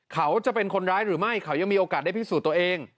เขาจะเป็นคนร้ายหรือไม่เขายังมีโอกาสได้พิสูจน์ตัวเอง